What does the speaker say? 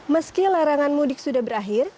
meski larangan mudik sudah berakhir